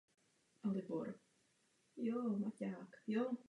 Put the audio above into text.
Je podle některých zdrojů vhodná pro běžné půdy.